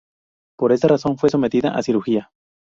Por esta razón fue sometida a cirugía.